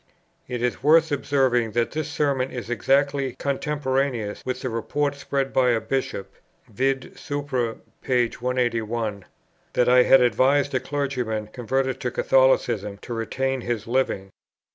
It is worth observing that this Sermon is exactly contemporaneous with the report spread by a Bishop (vid. supr. p. 181), that I had advised a clergyman converted to Catholicism to retain his Living.